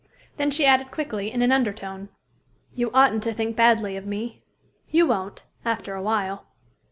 Then she added quickly, in an under tone, "You oughtn't to think badly of me. You won't, after a while."